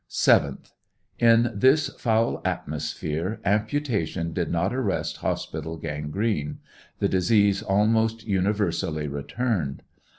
7th. In this foul atmosphere amputation did not arrest hospital gangrene; the disease almost universally returned.